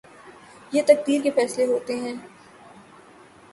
یہ تقدیر کے فیصلے ہوتے ہیں۔